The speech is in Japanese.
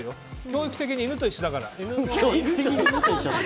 教育的に犬と一緒だから。